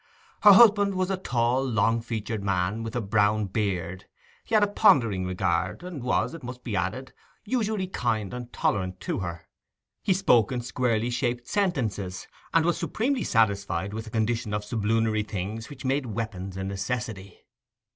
Her husband was a tall, long featured man, with a brown beard; he had a pondering regard; and was, it must be added, usually kind and tolerant to her. He spoke in squarely shaped sentences, and was supremely satisfied with a condition of sublunary things which made weapons a necessity.